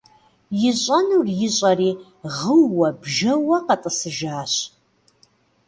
Ищӏэнур ищӏэри гъыуэ-бжэуэ къэтӏысыжащ.